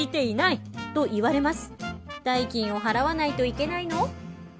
代金を払わないといけないの？